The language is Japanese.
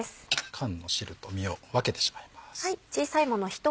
缶の汁と身を分けてしまいます。